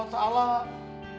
minta ke allah swt